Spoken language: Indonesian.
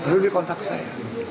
lalu dikontak saya